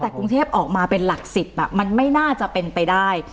แต่กรุงเทพออกมาเป็นหลัก๑๐มันไม่น่าจะเป็นไปได้